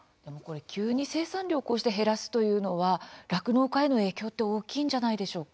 急に生産量をこうして減らすというのは酪農家への影響って大きいんじゃないでしょうか。